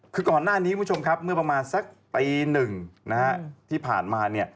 คือก่อนหน้านี้คุณผู้ชมครับเมื่อประมาณสักตีหนึ่งที่ผ่านมา